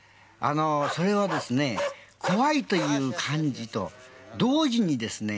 それはですね怖いという感じと同時にですね